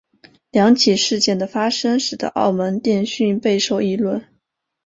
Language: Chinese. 两起事件的发生使得澳门电讯备受议论。